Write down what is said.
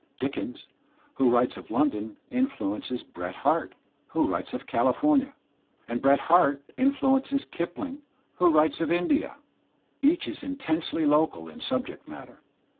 Dickens, who writes of London, influences Bret Harte, who writes of California, and Bret Harte influences Kipling, who writes of India. Each is intensely local in subject matter.